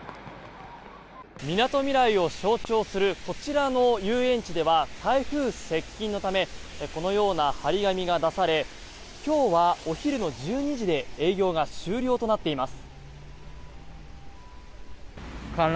みなとみらいを象徴するこちらの遊園地では台風接近のためにこのような貼り紙が出され今日は、お昼の１２時で営業が終了となっています。